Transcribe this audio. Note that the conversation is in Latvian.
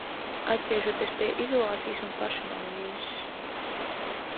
Atgriežoties pie izolācijas un pašanalīzes.